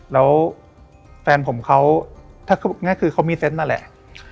แล้วแฟนผมเขาคือมีเซ็นต์นั่นแหละ